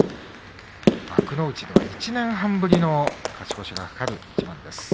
幕内で１年半ぶりの勝ち越しが懸かる一番です。